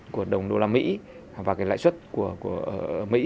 của đồng đô la mỹ và lãi xuất của mỹ